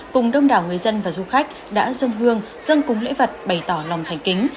cùng đông đảo người dân và du khách đã dâng hương dâng cúng lễ vật bày tỏ lòng thành kính